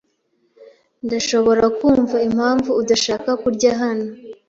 Ndashobora kumva impamvu udashaka kurya hano.